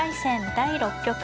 第６局。